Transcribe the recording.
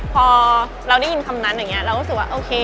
พอเราได้ยินคำนั้นอย่างนี้เรารู้สึกว่าโอเค